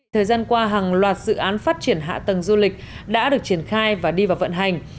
thời gian qua hàng loạt dự án phát triển hạ tầng du lịch đã được triển khai và đi vào vận hành